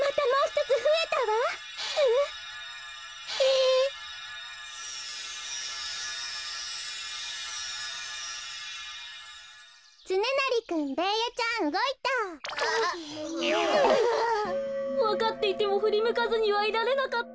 わかっていてもふりむかずにはいられなかった。